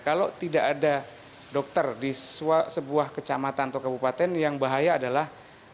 kalau tidak ada dokter di sebuah kecamatan atau kabupaten yang bahaya adalah